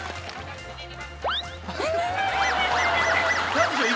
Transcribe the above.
何でしょう？